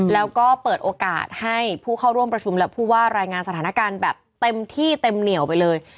แล้วก็เปิดโอกาสให้ผู้เข้าร่วมประชุมและผู้ว่ารายงานสถานการณ์แบบเต็มที่เต็มเหนียวไปเลย